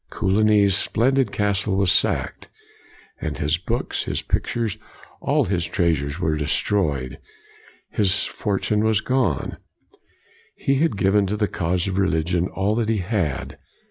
Co ligny's splendid castle was sacked, and 158 COLIGNY his books, his pictures, all his treasures were destroyed. His fortune was gone. He had given to the cause of religion all that he had.